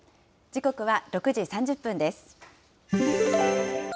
時刻は６時３０分です。